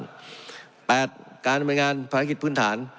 ๘การ้วมการพลังงานภารกิจพื้นฐาน